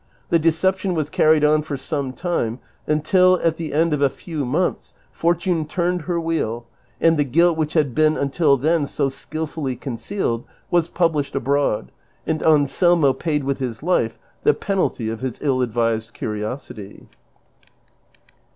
The de ception was cai'ried on for some time, until at the end of a few months Fortune turned her wheel and the guilt which iiad been until then so skilfully concealed was published abroad, and Anselmo paid with his life the penalty of his ill advised curiosity.